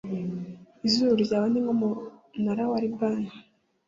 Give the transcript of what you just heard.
Izuru ryawe ni nk’umunara wa Libani,